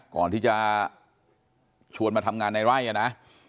ก่อนที่จะชวนมาทำงานในไร่นะ